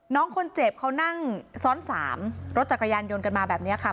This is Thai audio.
น้องคนเจ็บเขานั่งซ้อน๓รถจักรยานยนต์กันมาแบบนี้ค่ะ